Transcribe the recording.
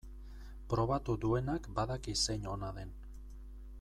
Probatu duenak badaki zein ona den.